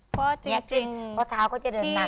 เพราะเท้าก็จะเดินหนัก